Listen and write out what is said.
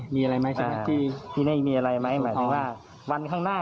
มีอะไรไหมที่นี่มีอะไรไหมหมายถึงว่าวันข้างหน้า